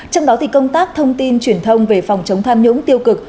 trong đó công tác thông tin truyền thông về phòng chống tham nhũng tiêu cực